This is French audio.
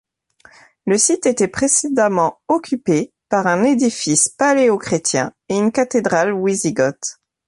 Le site était précédemment occupée par un édifice paléo-chrétien et une cathédrale wisigothe.